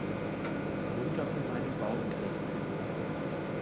Runter von meinem Baum, krächzte der Rabe.